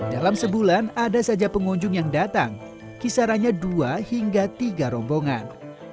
dalam sebulan ada saja pengunjung yang datang kisarannya dua hingga tiga rombongan